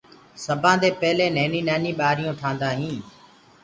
سبآندي پيلي نهيني نهيني ٻآريون ٺآندآ هين۔